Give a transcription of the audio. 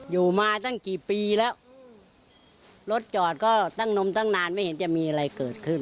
อยู่มาตั้งกี่ปีแล้วรถจอดก็ตั้งนมตั้งนานไม่เห็นจะมีอะไรเกิดขึ้น